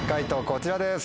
こちらです。